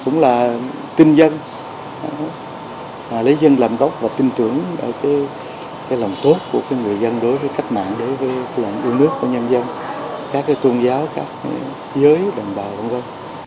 chúng là tinh dân lấy dân làm gốc và tin tưởng vào cái lòng tốt của người dân đối với cách mạng đối với đường nước của nhân dân các tôn giáo các giới đồng bào đồng dân